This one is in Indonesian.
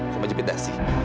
sampai jepit dasi